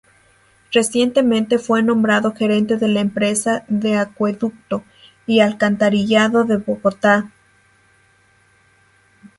Recientemente fue nombrado Gerente de la Empresa de Acueducto y Alcantarillado de Bogotá.